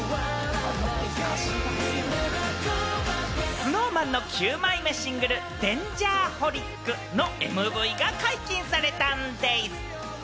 ＳｎｏｗＭａｎの９枚目シングル『Ｄａｎｇｅｒｈｏｌｉｃ』のＭＶが解禁されたんでぃす！